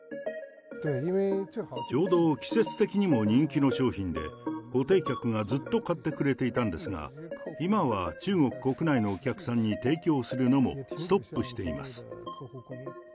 ちょうど季節的にも人気の商品で、固定客がずっと買ってくれていたんですが、今は中国国内のお客さんに提供するのもストップしています。